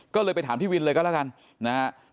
ก็เลยไปถามพี่วินเลยก็แล้วกันนะฮะ